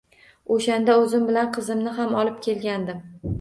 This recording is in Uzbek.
O`shanda o`zim bilan qizimni ham olib kelgandim